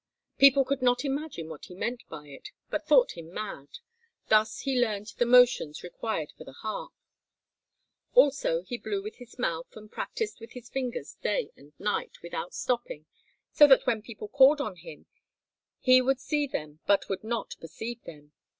People could not imagine what he meant by it, but thought him mad. Thus he learned the motions required for the harp. Also he blew with his mouth and practised with his fingers day and night without stopping, so that when people called on him he would see them but would not perceive them.